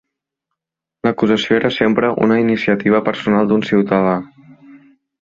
L'acusació era sempre una iniciativa personal d'un ciutadà.